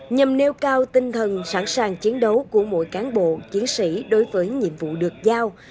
nhằm nêu cao tinh thần sẵn sàng chiến đấu của mỗi cán bộ chiến sĩ đối với nhiệm vụ được giao